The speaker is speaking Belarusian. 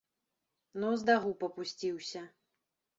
Нос да губ апусціўся.